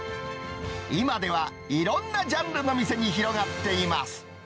今では、いろんなジャンルの店に広がっています。